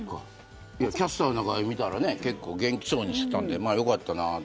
キャスターなんか見てたら元気そうにしていたので良かったなと。